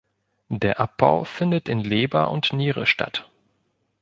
Der Abbau findet in Leber und Niere statt.